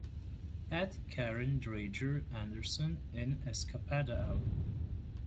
add Karin Dreijer Andersson in Escapada album